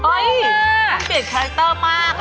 ต้องเปลี่ยนคิดแคลคเตอร์มาก